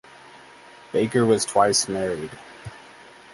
Baker was twice married.